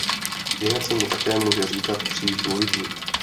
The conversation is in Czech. Jinak se mu také může říkat kříž dvojitý.